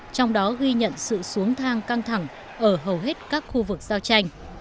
trong đó ghi nhận sự xuống thang căng thẳng ở hầu hết các khu vực giao tranh